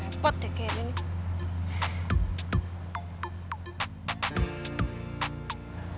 repot deh kayaknya nih